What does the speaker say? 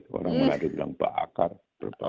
orang orang ada bilang bakar berbahaya